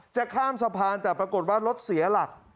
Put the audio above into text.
จะข้ามสะพานแต่ปรากฏว่ารถเสียหลัก